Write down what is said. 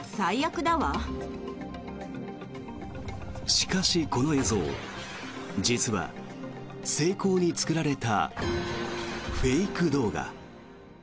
しかし、この映像実は精巧に作られたフェイク動画。